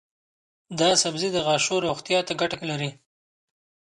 دا سبزی د غاښونو روغتیا ته ګټه لري.